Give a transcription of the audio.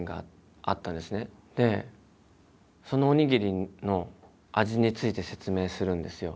でそのおにぎりの味について説明するんですよ。